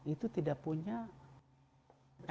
itu tidak punya mc